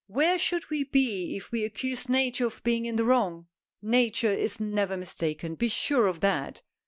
Where should we be if we accused Nature of being in the wrong. Nature is never mistaken, be sure of that."